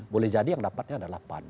boleh jadi yang dapatnya ada lapan